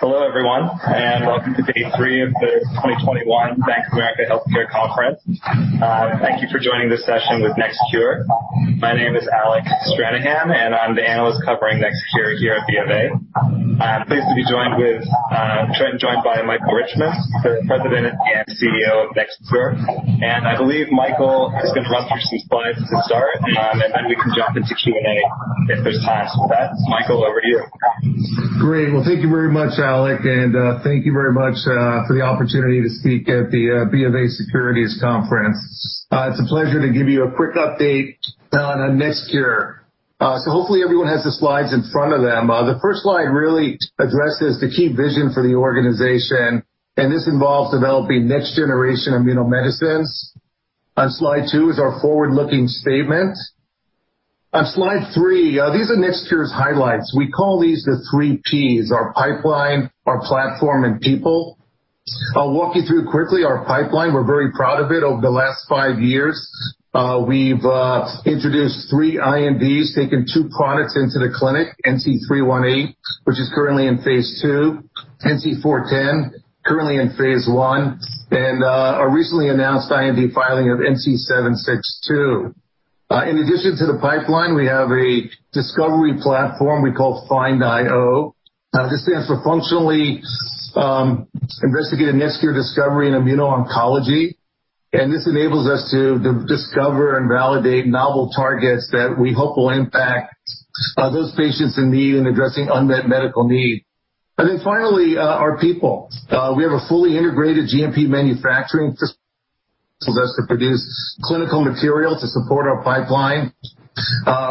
Hello everyone, and welcome to day three of the 2021 Bank of America Healthcare Conference. Thank you for joining this session with NextCure. My name is Alec Stranahan, and I'm the analyst covering NextCure here at BofA. I'm pleased to be joined by Michael Richman, the President and Chief Executive Officer of NextCure, and I believe Michael is going to run through some slides to start, and then we can jump into Q&A if there's time for that. Michael, over to you. Great. Well, thank you very much, Alec, and thank you very much for the opportunity to speak at the BofA Securities Conference. It's a pleasure to give you a quick update on NextCure. Hopefully everyone has the slides in front of them. The first slide really addresses the key vision for the organization, and this involves developing next-generation immuno medicines. On Slide two is our forward-looking statement. On Slide three, these are NextCure's highlights. We call these the three Ps, our pipeline, our platform, and people. I'll walk you through quickly our pipeline. We're very proud of it. Over the last five years, we've introduced three INDs, taken two products into the clinic, NC318, which is currently in phase II, NC410, currently in phase I, and our recently announced IND filing of NC762. In addition to the pipeline, we have a discovery platform we call FIND-IO. This stands for Functional, Integrated, NextCure Discovery in Immuno-Oncology, this enables us to discover and validate novel targets that we hope will impact those patients in need and addressing unmet medical need. Finally, our people. We have a fully integrated GMP manufacturing that's to produce clinical material to support our pipeline.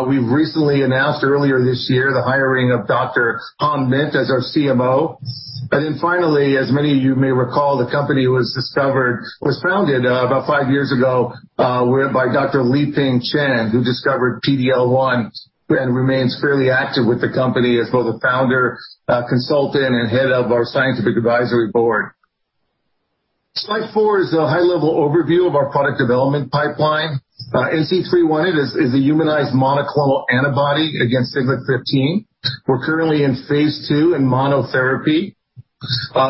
We've recently announced earlier this year the hiring of Dr. Han Myint as our CMO. Finally, as many of you may recall, the company was founded about five years ago, by Dr. Lieping Chen, who discovered PD-L1 and remains fairly active with the company as both a founder, consultant, and head of our scientific advisory board. Slide four is a high-level overview of our product development pipeline. NC318 is a humanized monoclonal antibody against Siglec-15. We're currently in phase II in monotherapy.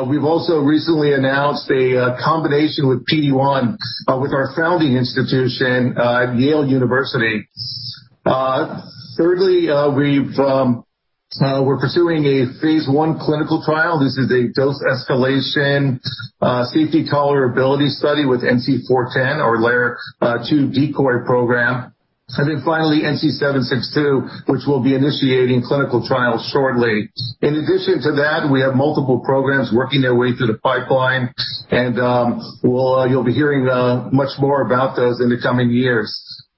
We've also recently announced a combination with PD-1 with our founding institution at Yale University. Thirdly, we're pursuing a phase I clinical trial. This is a dose escalation safety tolerability study with NC410 or LAIR-2 decoy program. Finally, NC762, which we'll be initiating clinical trials shortly. In addition to that, we have multiple programs working their way through the pipeline, and you'll be hearing much more about those in the coming years.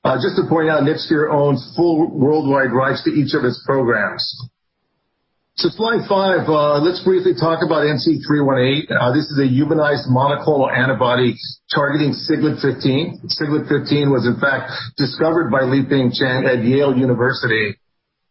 Just to point out, NextCure owns full worldwide rights to each of its programs. Slide five, let's briefly talk about NC318. This is a humanized monoclonal antibody targeting Siglec-15. Siglec-15 was in fact discovered by Lieping Chen at Yale University.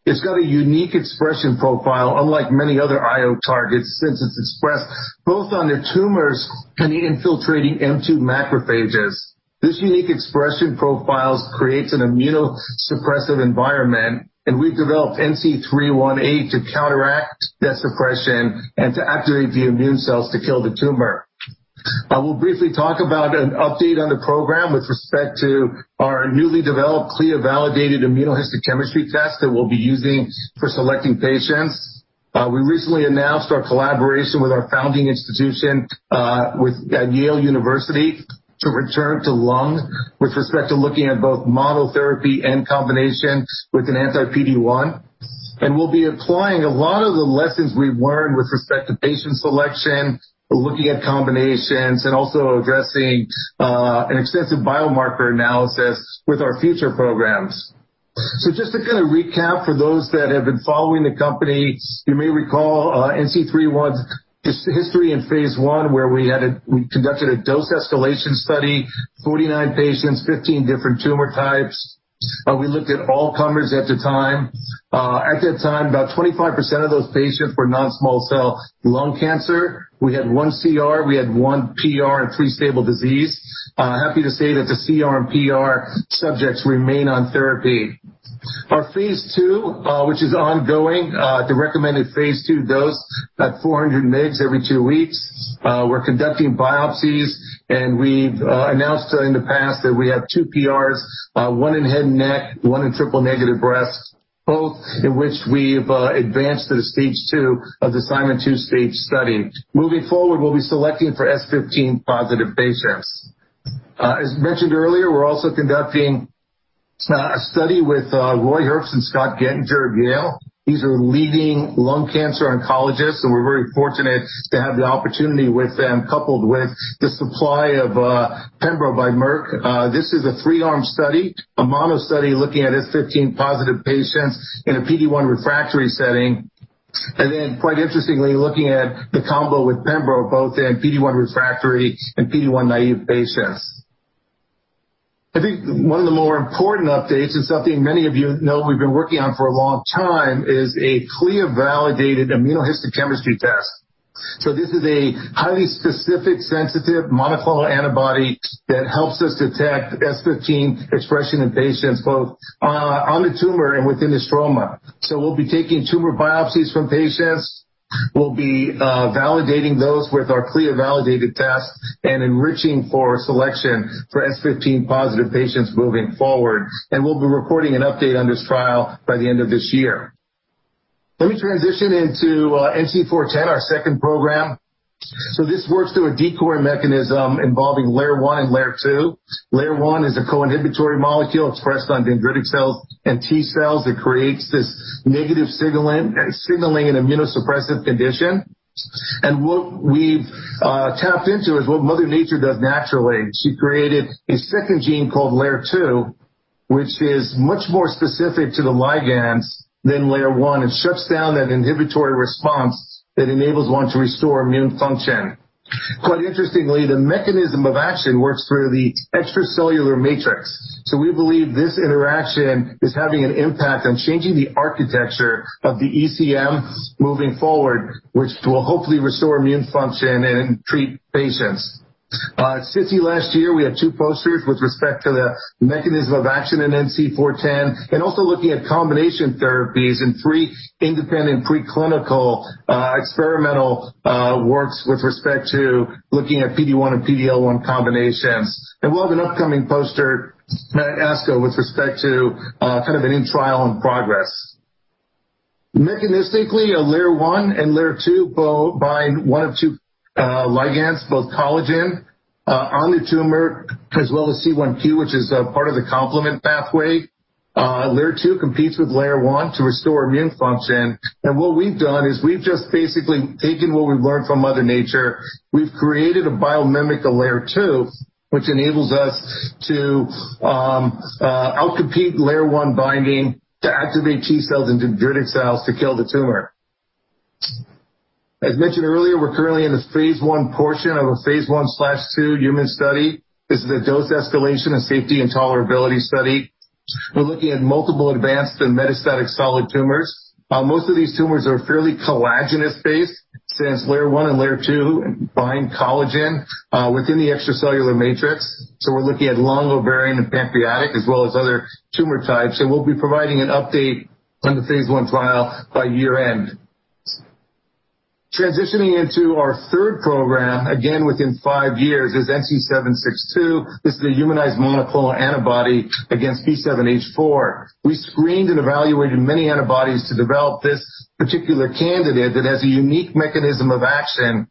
It's got a unique expression profile, unlike many other IO targets, since it's expressed both on the tumors and the infiltrating M2 macrophages. This unique expression profiles creates an immunosuppressive environment, and we've developed NC318 to counteract that suppression and to activate the immune cells to kill the tumor. We'll briefly talk about an update on the program with respect to our newly developed CLIA-validated immunohistochemistry test that we'll be using for selecting patients. We recently announced our collaboration with our founding institution, with Yale University to return to lung with respect to looking at both monotherapy and combination with an anti-PD-1. We'll be applying a lot of the lessons we've learned with respect to patient selection. We're looking at combinations and also addressing an extensive biomarker analysis with our future programs. Just to kind of recap for those that have been following the company, you may recall NC31's history in phase I, where we conducted a dose escalation study, 49 patients, 15 different tumor types. We looked at all comers at the time. At that time, about 25% of those patients were non-small cell lung cancer. We had one CR, we had one PR, and three stable disease. Happy to say that the CR and PR subjects remain on therapy. Our phase II, which is ongoing, the recommended phase II dose at 400 mg every two weeks. We're conducting biopsies, and we've announced in the past that we have two PRs, one in head and neck, one in triple-negative breast, both in which we've advanced to stage 2 of the Simon 2-stage study. Moving forward, we'll be selecting for S15-positive patients. As mentioned earlier, we're also conducting a study with Roy Herbst and Scott Gettinger at Yale. These are leading lung cancer oncologists, and we're very fortunate to have the opportunity with them, coupled with the supply of pembro by Merck. This is a three-arm study, a mono study looking at S15-positive patients in a PD-1 refractory setting. Quite interestingly, looking at the combo with pembro, both in PD-1 refractory and PD-1 naive patients. I think one of the more important updates, and something many of you know we've been working on for a long time, is a CLIA-validated immunohistochemistry test. This is a highly specific sensitive monoclonal antibody that helps us detect S15 expression in patients both on the tumor and within the stroma. We'll be taking tumor biopsies from patients, we'll be validating those with our CLIA-validated test and enriching for selection for S15-positive patients moving forward. We'll be reporting an update on this trial by the end of this year. Let me transition into NC410, our second program. This works through a decoy mechanism involving LAIR-1 and LAIR-2. LAIR-1 is a co-inhibitory molecule expressed on dendritic cells and T cells that creates this negative signaling and immunosuppressive condition. What we've tapped into is what Mother Nature does naturally. She created a second gene called LAIR-2, which is much more specific to the ligands than LAIR-1. It shuts down that inhibitory response that enables one to restore immune function. Quite interestingly, the mechanism of action works through the extracellular matrix. We believe this interaction is having an impact on changing the architecture of the ECM moving forward, which will hopefully restore immune function and treat patients. At SITC last year, we had two posters with respect to the mechanism of action in NC410, and also looking at combination therapies in three independent preclinical experimental works with respect to looking at PD-1 and PD-L1 combinations. We'll have an upcoming poster at ASCO with respect to kind of an in-trial and progress. Mechanistically, LAIR-1 and LAIR-2 bind one of two ligands, both collagen on the tumor as well as C1q, which is part of the complement pathway. LAIR-2 competes with LAIR-1 to restore immune function. What we've done is we've just basically taken what we've learned from mother nature. We've created a biomimic of LAIR-2, which enables us to outcompete LAIR-1 binding to activate T cells and dendritic cells to kill the tumor. As mentioned earlier, we're currently in the phase I portion of a phase I/II human study. This is a dose escalation of safety and tolerability study. We're looking at multiple advanced and metastatic solid tumors. Most of these tumors are fairly collagenous based, since LAIR-1 and LAIR-2 bind collagen within the extracellular matrix. We're looking at lung, ovarian, and pancreatic, as well as other tumor types. We'll be providing an update on the phase I trial by year-end. Transitioning into our third program, again within five years, is NC762. This is a humanized monoclonal antibody against B7H4. We screened and evaluated many antibodies to develop this particular candidate that has a unique mechanism of action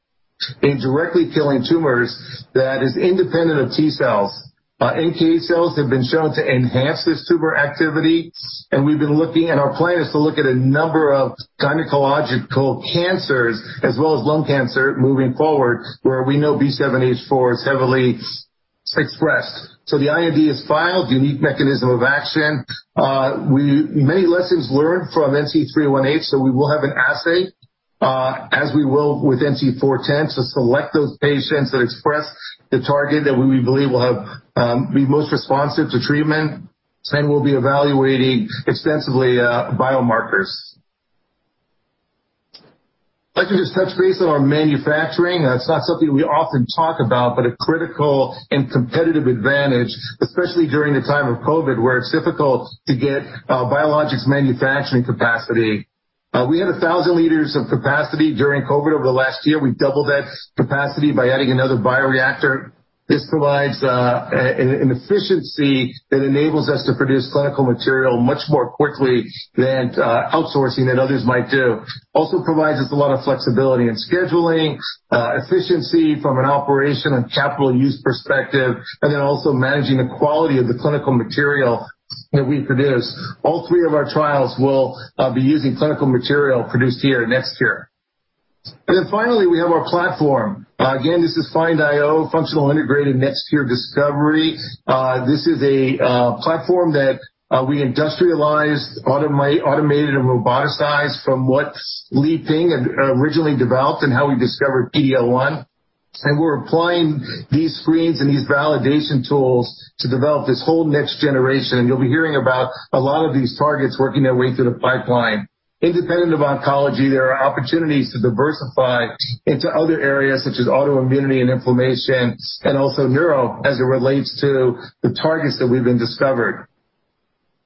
in directly killing tumors that is independent of T cells. NK cells have been shown to enhance this tumor activity, and our plan is to look at a number of gynecological cancers as well as lung cancer moving forward, where we know B7H4 is heavily expressed. The IND is filed, unique mechanism of action. Many lessons learned from NC318. We will have an assay, as we will with NC410, to select those patients that express the target that we believe will be most responsive to treatment. We'll be evaluating extensively biomarkers. I'd like to just touch base on our manufacturing. It's not something we often talk about, but a critical and competitive advantage, especially during the time of COVID, where it's difficult to get biologics manufacturing capacity. We had 1,000 L of capacity during COVID over the last year. We doubled that capacity by adding another bioreactor. This provides an efficiency that enables us to produce clinical material much more quickly than outsourcing that others might do. Also provides us a lot of flexibility in scheduling, efficiency from an operation and capital use perspective, and then also managing the quality of the clinical material that we produce. All three of our trials will be using clinical material produced here at NextCure. Finally, we have our platform. Again, this is FIND-IO, Functional Integrated NextCure Discovery. This is a platform that we industrialized, automated, and roboticized from what Lieping Chen originally developed and how we discovered PD-L1. We're applying these screens and these validation tools to develop this whole next generation. You'll be hearing about a lot of these targets working their way through the pipeline. Independent of oncology, there are opportunities to diversify into other areas such as autoimmunity and inflammation and also neuro as it relates to the targets that we've been discovered.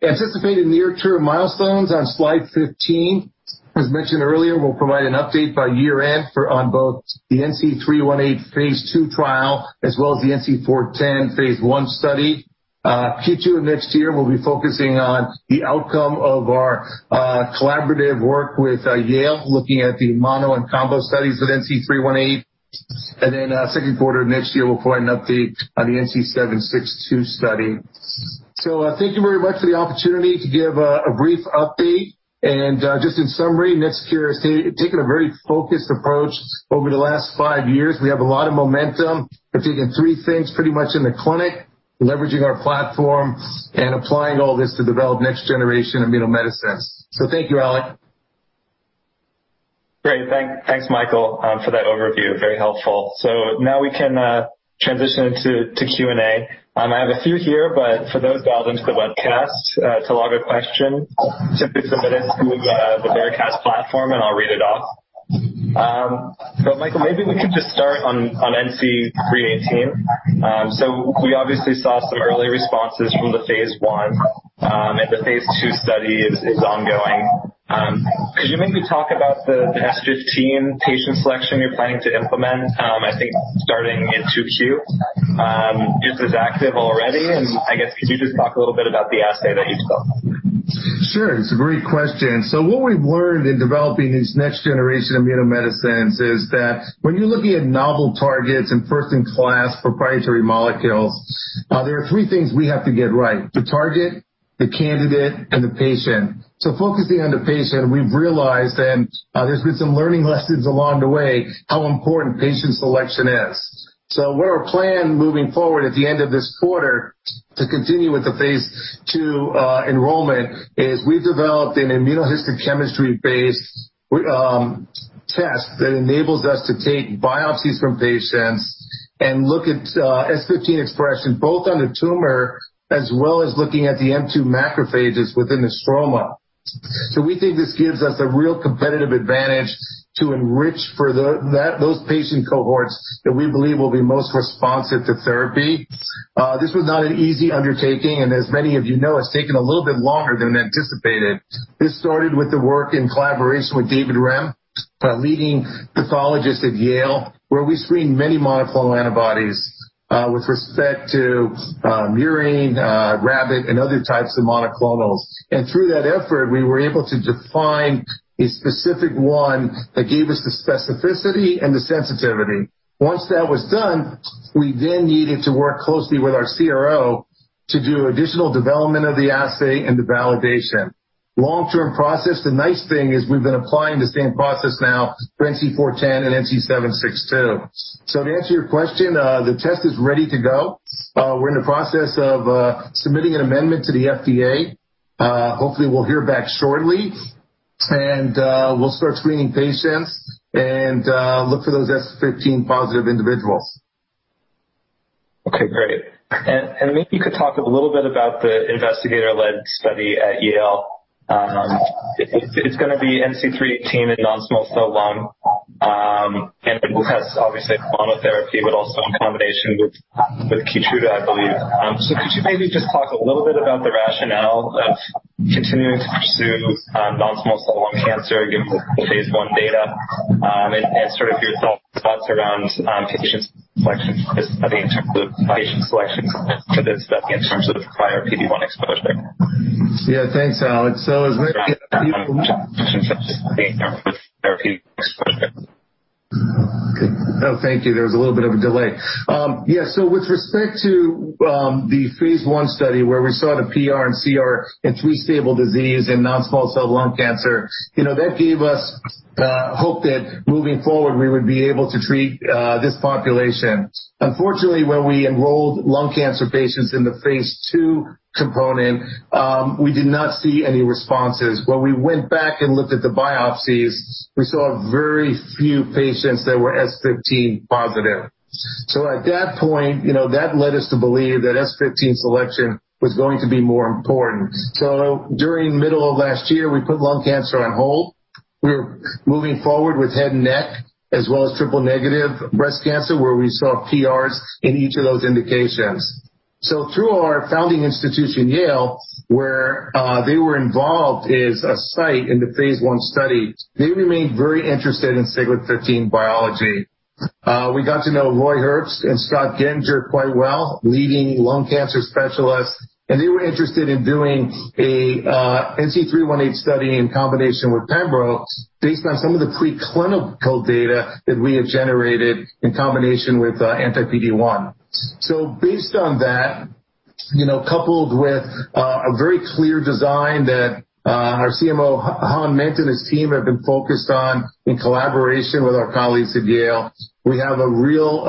Anticipated near-term milestones on Slide 15. As mentioned earlier, we'll provide an update by year-end on both the NC318 phase II trial as well as the NC410 phase I study. Q2 of next year, we'll be focusing on the outcome of our collaborative work with Yale, looking at the mono and combo studies with NC318. Then second quarter of next year, we'll provide an update on the NC762 study. Thank you very much for the opportunity to give a brief update. Just in summary, NextCure has taken a very focused approach over the last five years. We have a lot of momentum, have taken three things pretty much in the clinic, leveraging our platform, and applying all this to develop next-generation immunomedicines. Thank you, Alec. Great. Thanks, Michael, for that overview. Very helpful. Now we can transition to Q&A. I have a few here, but for those dialed into the webcast to log a question, simply submit it through the Veracast platform and I'll read it off. Michael, maybe we could just start on NC318. We obviously saw some early responses from phase I, and the phase II study is ongoing. Could you maybe talk about the S15 patient selection you're planning to implement, I think starting in 2Q? Is this active already, and I guess could you just talk a little bit about the assay that you've built? Sure. It's a great question. What we've learned in developing these next generation immunomedicines is that when you're looking at novel targets and first-in-class proprietary molecules, there are three things we have to get right. The target, the candidate, and the patient. Focusing on the patient, we've realized, and there's been some learning lessons along the way, how important patient selection is. Our plan moving forward at the end of this quarter to continue with the phase II enrollment is we've developed an immunohistochemistry-based test that enables us to take biopsies from patients and look at S15 expression, both on the tumor as well as looking at the M2 macrophages within the stroma. We think this gives us a real competitive advantage to enrich for those patient cohorts that we believe will be most responsive to therapy. This was not an easy undertaking, and as many of you know, it's taken a little bit longer than anticipated. This started with the work in collaboration with David Rimm, a leading pathologist at Yale, where we screened many monoclonal antibodies, with respect to murine, rabbit, and other types of monoclonals. Through that effort, we were able to define a specific one that gave us the specificity and the sensitivity. Once that was done, we then needed to work closely with our CRO to do additional development of the assay and the validation. Long-term process, the nice thing is we've been applying the same process now for NC410 and NC762. To answer your question, the test is ready to go. We're in the process of submitting an amendment to the FDA. Hopefully, we'll hear back shortly, and we'll start screening patients and look for those S15-positive individuals. Okay, great. Maybe you could talk a little bit about the investigator-led study at Yale. It's going to be NC318 and non-small cell lung, and will test obviously monotherapy but also in combination with KEYTRUDA, I believe. Could you maybe just talk a little bit about the rationale of continuing to pursue non-small cell lung cancer given the phase I data, and sort of your thoughts around patient selection for this study in terms of prior PD-1 exposure? Yeah, thanks, Alec. Therapy exposure. Oh, thank you. There was a little bit of a delay. Yeah, with respect to the phase I study where we saw the PR and CR in three stable disease in non-small cell lung cancer, that gave us hope that moving forward, we would be able to treat this population. Unfortunately, when we enrolled lung cancer patients in the phase II component, we did not see any responses. When we went back and looked at the biopsies, we saw very few patients that were S15 positive. At that point, that led us to believe that S15 selection was going to be more important. During middle of last year, we put lung cancer on hold. We were moving forward with head and neck as well as triple-negative breast cancer, where we saw PRs in each of those indications. Through our founding institution, Yale University, where they were involved as a site in the phase I study, they remained very interested in Siglec-15 biology. We got to know Roy S. Herbst and Scott Gettinger quite well, leading lung cancer specialists, and they were interested in doing a NC318 study in combination with pembro, based on some of the preclinical data that we have generated in combination with anti-PD-1. Based on that, coupled with a very clear design that our CMO, Han Myint, and his team have been focused on in collaboration with our colleagues at Yale University, we have a real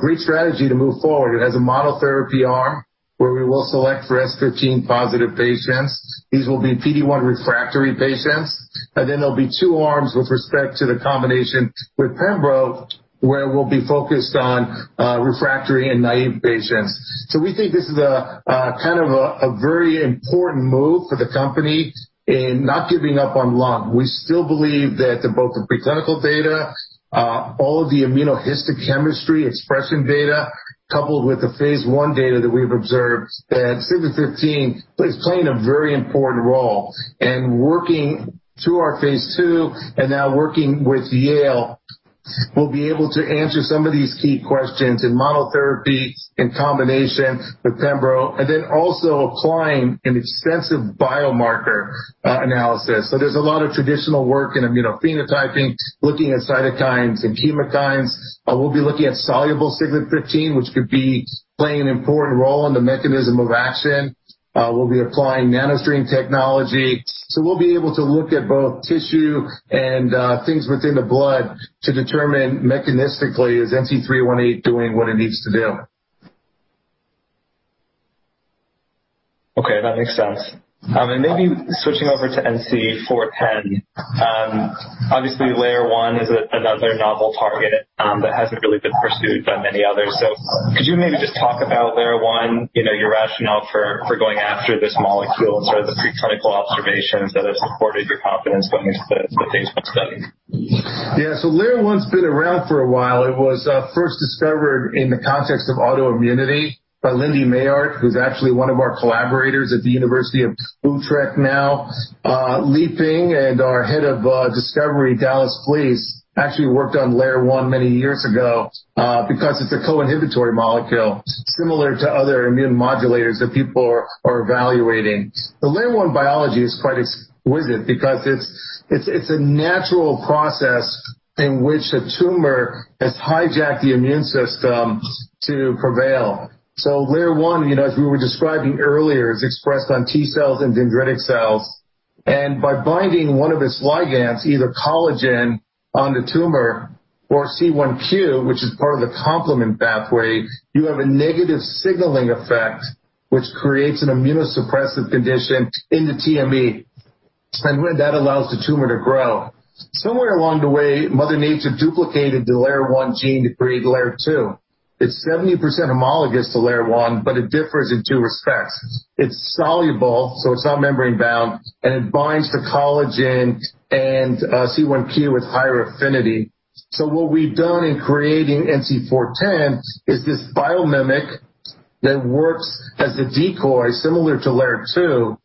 great strategy to move forward. It has a monotherapy arm where we will select for S15-positive patients. These will be PD-1 refractory patients, and then there'll be 2 arms with respect to the combination with pembro, where we'll be focused on refractory and naive patients. We think this is a very important move for the company in not giving up on lung. We still believe that both the preclinical data, all of the immunohistochemistry expression data, coupled with the phase I data that we've observed, that Siglec-15 is playing a very important role. Working through our phase II and now working with Yale, we'll be able to answer some of these key questions in monotherapy, in combination with pembro, and then also applying an extensive biomarker analysis. There's a lot of traditional work in immunophenotyping, looking at cytokines and chemokines. We'll be looking at soluble Siglec-15, which could be playing an important role in the mechanism of action. We'll be applying NanoString technology. We'll be able to look at both tissue and things within the blood to determine mechanistically, is NC318 doing what it needs to do? Okay, that makes sense. Maybe switching over to NC410. Obviously, LAIR1 is another novel target that hasn't really been pursued by many others. Could you maybe just talk about LAIR1, your rationale for going after this molecule, and sort of the preclinical observations that have supported your confidence going into the phase I study? Yeah. LAIR1's been around for a while. It was first discovered in the context of autoimmunity by Linde Meyaard, who's actually one of our collaborators at Utrecht University now. Lieping Chen and our head of discovery, Dallas Flies, actually worked on LAIR1 many years ago because it's a co-inhibitory molecule similar to other immune modulators that people are evaluating. The LAIR1 biology is quite exquisite because it's a natural process in which the tumor has hijacked the immune system to prevail. LAIR1, as we were describing earlier, is expressed on T cells and dendritic cells, and by binding one of its ligands, either collagen on the tumor or C1q, which is part of the complement pathway, you have a negative signaling effect, which creates an immunosuppressive condition in the TME, and when that allows the tumor to grow. Somewhere along the way, mother nature duplicated the LAIR1 gene to create LAIR2. It's 70% homologous to LAIR1, but it differs in two respects. It's soluble, so it's not membrane bound, and it binds to collagen and C1q with higher affinity. What we've done in creating NC410 is this biomimic that works as a decoy similar to LAIR2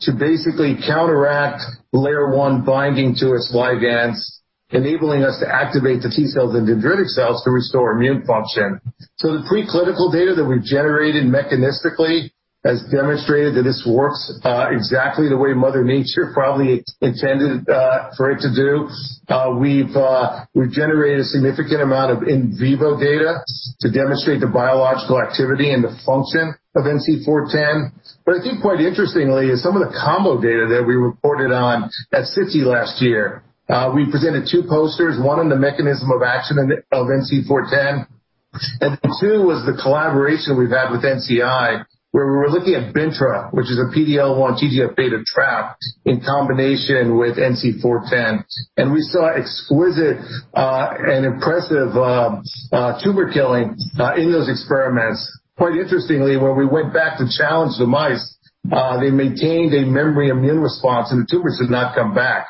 to basically counteract LAIR1 binding to its ligands, enabling us to activate the T cells and dendritic cells to restore immune function. The pre-clinical data that we've generated mechanistically has demonstrated that this works exactly the way mother nature probably intended for it to do. We've generated a significant amount of in vivo data to demonstrate the biological activity and the function of NC410. I think quite interestingly is some of the combo data that we reported on at SITC last year. We presented two posters, one on the mechanism of action of NC410, then two was the collaboration we've had with NCI, where we were looking at bintra, which is a PD-L1 TGF-beta trap in combination with NC410. We saw exquisite and impressive tumor killing in those experiments. Quite interestingly, when we went back to challenge the mice, they maintained a memory immune response, and the tumors did not come back.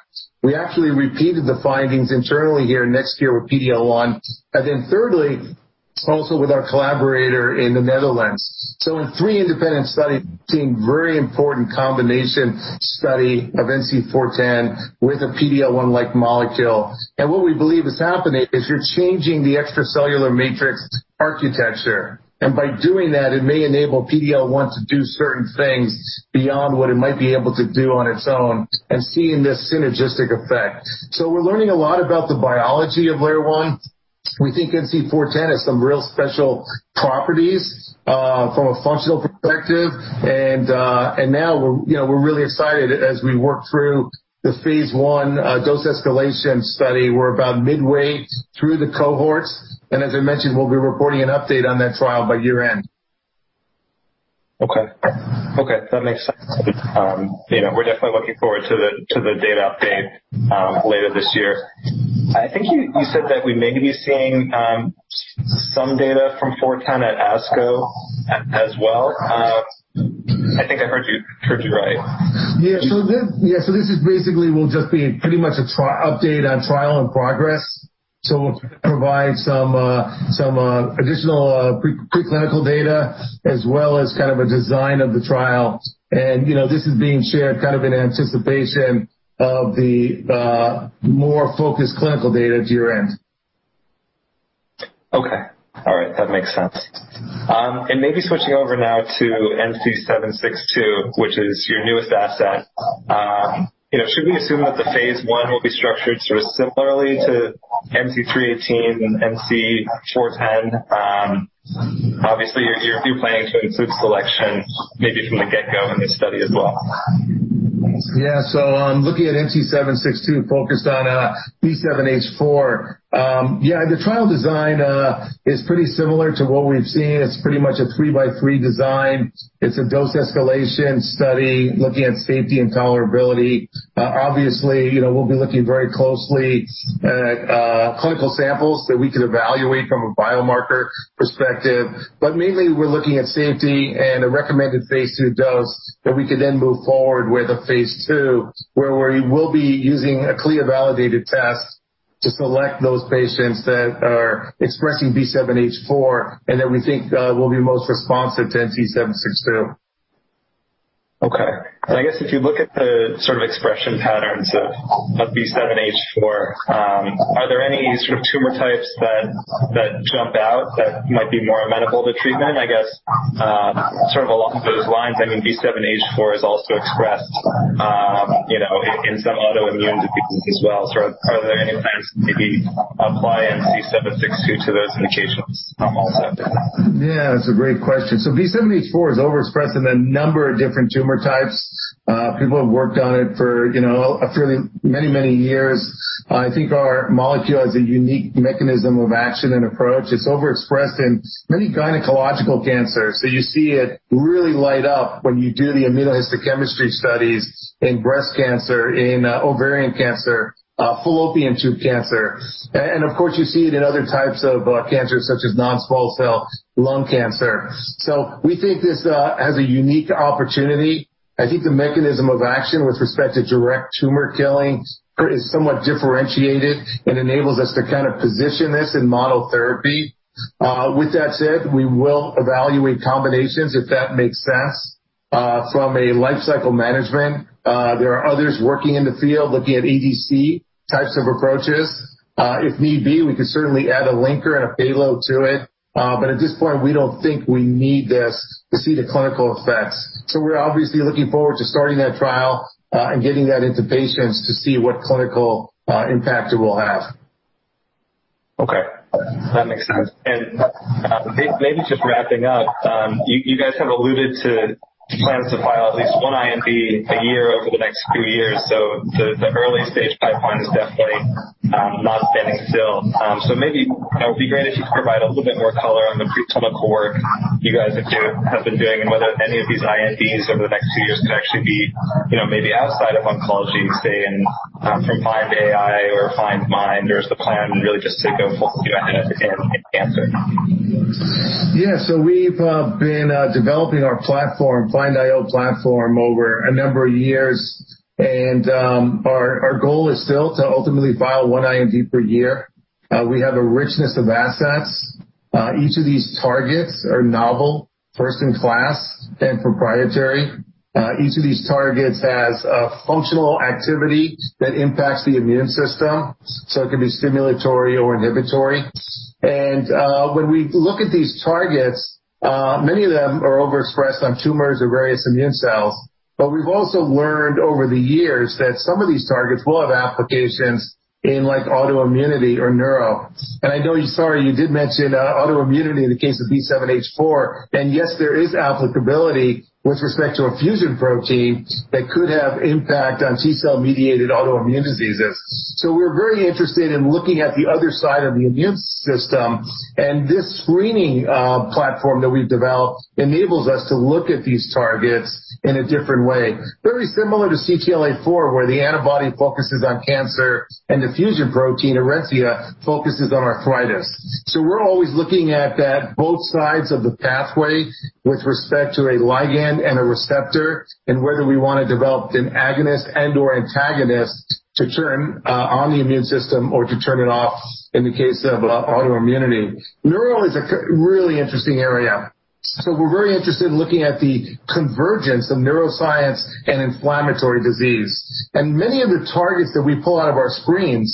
We actually repeated the findings internally here NextCure with PD-L1, then thirdly, also with our collaborator in the Netherlands. In three independent studies seeing very important combination study of NC410 with a PD-L1 like molecule. What we believe is happening is you're changing the extracellular matrix architecture. By doing that, it may enable PD-L1 to do certain things beyond what it might be able to do on its own and seeing this synergistic effect. We're learning a lot about the biology of LAIR-1. We think NC410 has some real special properties, from a functional perspective. Now we're really excited as we work through the phase I dose escalation study. We're about midway through the cohorts, and as I mentioned, we'll be reporting an update on that trial by year-end. Okay. That makes sense. We're definitely looking forward to the data update later this year. I think you said that we may be seeing some data from NC410 at ASCO as well. I think I heard you right. Yeah. This basically will just be pretty much an update on trial and progress. We'll provide some additional pre-clinical data as well as kind of a design of the trial. This is being shared kind of in anticipation of the more focused clinical data to year-end. Okay. All right. That makes sense. Maybe switching over now to NC762, which is your newest asset. Should we assume that the phase I will be structured sort of similarly to NC318 and NC410? Obviously, you're planning to include selection maybe from the get-go in this study as well. Looking at NC762 focused on B7-H4. The trial design is pretty similar to what we've seen. It's pretty much a 3-by-3 design. It's a dose escalation study looking at safety and tolerability. Obviously, we'll be looking very closely at clinical samples that we could evaluate from a biomarker perspective. Mainly, we're looking at safety and a recommended phase II dose that we could then move forward with a phase II, where we will be using a CLIA-validated test to select those patients that are expressing B7-H4 and that we think will be most responsive to NC762. Okay. I guess if you look at the sort of expression patterns of B7-H4, are there any sort of tumor types that jump out that might be more amenable to treatment? I guess, sort of along those lines, I mean, B7-H4 is also expressed in some autoimmune diseases as well. Are there any plans? Maybe apply NC762 to those indications also. Yeah, that's a great question. B7-H4 is overexpressed in a number of different tumor types. People have worked on it for many years. I think our molecule has a unique mechanism of action and approach. It's overexpressed in many gynecological cancers. You see it really light up when you do the immunohistochemistry studies in breast cancer, in ovarian cancer, fallopian tube cancer, and of course, you see it in other types of cancers, such as non-small cell lung cancer. We think this has a unique opportunity. I think the mechanism of action with respect to direct tumor killing is somewhat differentiated and enables us to position this in monotherapy. With that said, we will evaluate combinations if that makes sense from a life cycle management. There are others working in the field looking at ADC types of approaches. If need be, we can certainly add a linker and a payload to it. At this point, we don't think we need this to see the clinical effects. We're obviously looking forward to starting that trial, and getting that into patients to see what clinical impact it will have. Okay. That makes sense. Maybe just wrapping up, you guys have alluded to plans to file at least one IND a year over the next few years. The early-stage pipeline is definitely not standing still. Maybe it would be great if you could provide a little bit more color on the preclinical work you guys have been doing and whether any of these INDs over the next few years could actually be maybe outside of oncology, say, from FIND-IO, or is the plan really just to go full in in cancer? We've been developing our FIND-IO platform over a number of years, and our goal is still to ultimately file one IND per year. We have a richness of assets. Each of these targets are novel, first in class, and proprietary. Each of these targets has a functional activity that impacts the immune system, so it can be stimulatory or inhibitory. When we look at these targets, many of them are overexpressed on tumors or various immune cells. We've also learned over the years that some of these targets will have applications in autoimmunity or neuro. I know, sorry, you did mention autoimmunity in the case of B7-H4, and yes, there is applicability with respect to a fusion protein that could have impact on T-cell-mediated autoimmune diseases. We're very interested in looking at the other side of the immune system, and this screening platform that we've developed enables us to look at these targets in a different way. Very similar to CTLA4, where the antibody focuses on cancer and the fusion protein, ORENCIA, focuses on arthritis. We're always looking at both sides of the pathway with respect to a ligand and a receptor, and whether we want to develop an agonist and/or antagonist to turn on the immune system or to turn it off in the case of autoimmunity. Neuro is a really interesting area. We're very interested in looking at the convergence of neuroscience and inflammatory disease. Many of the targets that we pull out of our screens,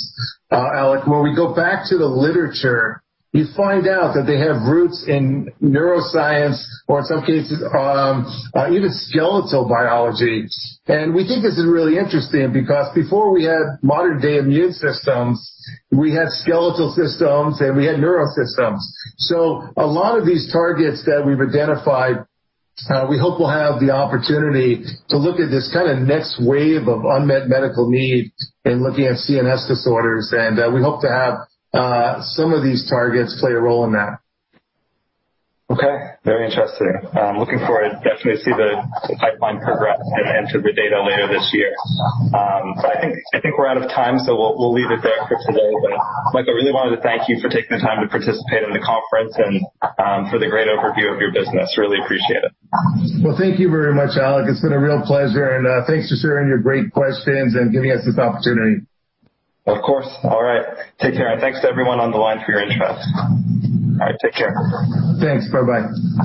Alec, when we go back to the literature, you find out that they have roots in neuroscience or in some cases, even skeletal biology. We think this is really interesting because before we had modern-day immune systems, we had skeletal systems, and we had neuro systems. A lot of these targets that we've identified, we hope will have the opportunity to look at this next wave of unmet medical need in looking at CNS disorders, and we hope to have some of these targets play a role in that. Okay. Very interesting. I'm looking forward definitely to see the pipeline progress and the data later this year. I think we're out of time, so we'll leave it there for today. Mike, I really wanted to thank you for taking the time to participate in the conference and for the great overview of your business. Really appreciate it. Well, thank you very much, Alec. It's been a real pleasure, and thanks for sharing your great questions and giving us this opportunity. Of course. All right. Take care, and thanks to everyone on the line for your interest. All right, take care. Thanks. Bye-bye.